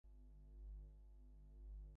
জগৎ এই দ্বৈতভাবপূর্ণ ভাল-মন্দের খেলা।